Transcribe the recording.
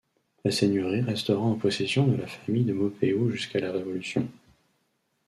La seigneurie restera en possession de la famille de Maupeou jusqu'à la Révolution.